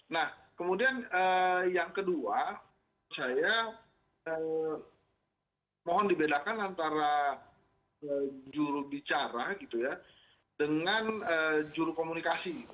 nah kemudian yang kedua saya mohon dibedakan antara jurubicara gitu ya dengan juru komunikasi